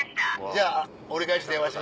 じゃあ折り返し電話します。